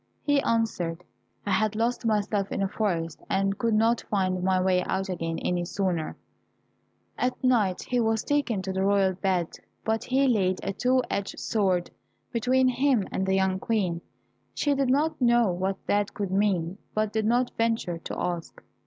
He answered, "I had lost myself in a forest, and could not find my way out again any sooner." At night he was taken to the royal bed, but he laid a two edged sword between him and the young Queen; she did not know what that could mean, but did not venture to ask.